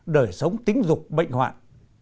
đời sống tính dục bệnh hoạn